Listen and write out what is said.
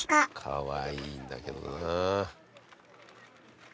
かわいいんだけどな。